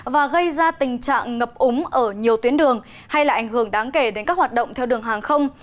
và gây ra tình trạng ngập úng ở nhiều tuyến đường hay là ảnh hưởng đáng kể đến các hoạt động theo đường hàng không